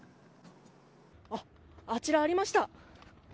あちら、ありました！